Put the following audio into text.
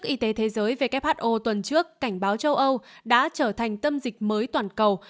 y tế thế giới who tuần trước cảnh báo châu âu đã trở thành tâm dịch mới toàn cầu